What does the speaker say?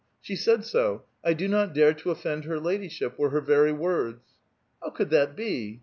She said so ; 'I do not dare to offend her ladyship,' wore lier very words." *• lluw could that be?